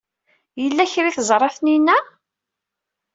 Yella kra ay teẓra Taninna?